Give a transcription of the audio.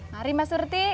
mari mbak surti